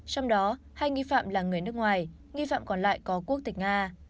trong đó hai nghi phạm là người nước ngoài nghi phạm còn lại có quốc tịch nga